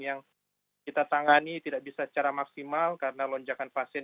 yang kita tangani tidak bisa secara maksimal karena lonjakan pasien